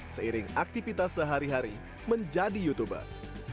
seiring aktivitas sehari hari menjadi youtuber